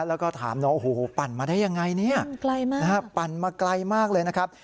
แล้วก็ถามน้องโอ้โหปั่นมาได้ยังไงเนี่ยนะฮะปั่นมาไกลมากเลยนะครับ